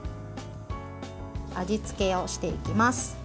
味付けをしていきます。